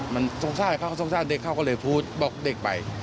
มันสงสารเขาสงสารเด็กเขาก็เลยพูดบอกเด็กไป